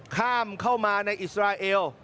เข้ามาในอิสราเอล